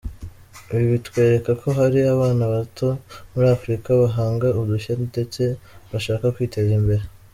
Ibi bitwereka ko hari abana bato muri Afurika bahanga udushya ndetse bashaka kwiteza imbere”.